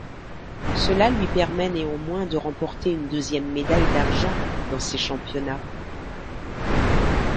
Cela lui permet néanmoins de remporter une deuxième médaille d'argent dans ces championnats.